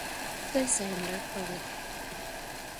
— Тый сайынрак палет.